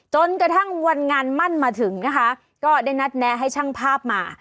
จนกระทั่งวันงานมั่นมาถึงนะคะก็ได้นัดแนะให้ช่างภาพมา